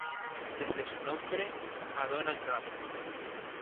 Debe su nombre a Donald Rubin.